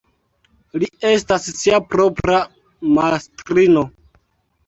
Li estas sia propra mastrino.